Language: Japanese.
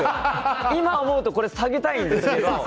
今思うと下げたいんですけど。